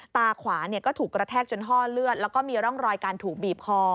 ตาขวาก็ถูกกระแทกจนห้อเลือดแล้วก็มีร่องรอยการถูกบีบคอ